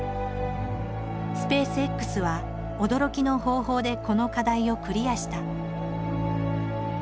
スペースＸは驚きの方法でこの課題をクリアした。